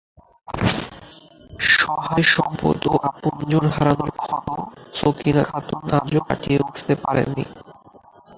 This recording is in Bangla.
সহায় সম্পদ ও আপনজন হারানোর ক্ষত ছকিনা খাতুন আজও কাটিয়ে উঠতে পারেননি।